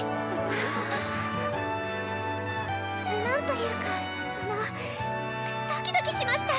あ！何というかそのドキドキしました！